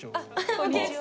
こんにちは。